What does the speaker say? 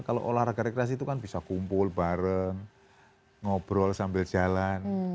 kalau olahraga rekreasi itu kan bisa kumpul bareng ngobrol sambil jalan